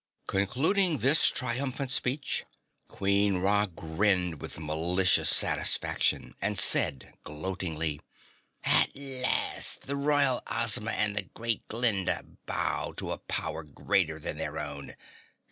Concluding this triumphant speech, Queen Ra grinned with malicious satisfaction and said gloatingly, "At last the Royal Ozma and the Great Glinda bow to a power greater than their own!